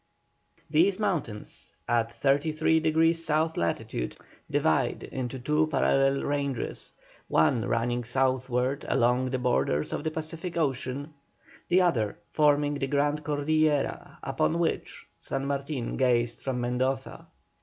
These mountains at 33° south latitude divide into two parallel ranges, one running southward along the borders of the Pacific Ocean, the other forming the grand Cordillera upon which San Martin gazed from Mendoza.